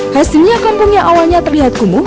hasilnya kampung yang awalnya terlihat kumuh